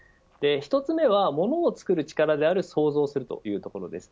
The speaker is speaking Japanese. １つ目は、ものを作る力である創造性というところです。